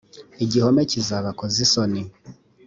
igihome kizabakoza isoni